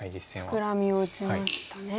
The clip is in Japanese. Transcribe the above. フクラミを打ちましたね。